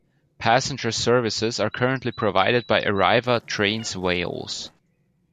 Passenger services are currently provided by Arriva Trains Wales.